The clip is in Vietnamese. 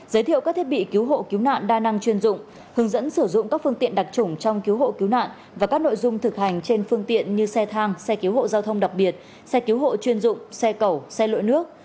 giới thiệu các thiết bị cứu hộ cứu nạn đa năng chuyên dụng hướng dẫn sử dụng các phương tiện đặc trùng trong cứu hộ cứu nạn và các nội dung thực hành trên phương tiện như xe thang xe cứu hộ giao thông đặc biệt xe cứu hộ chuyên dụng xe cẩu xe lội nước